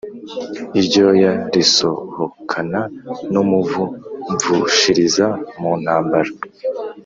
iryoya risohokana n'umuvu mvushiriza mu ntambara.